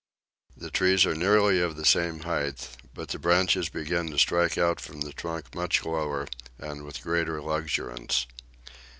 The trees are nearly of the same height, but the branches begin to strike out from the trunk much lower, and with greater luxuriance.